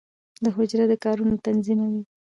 د حجره د کارونو تنظیموي.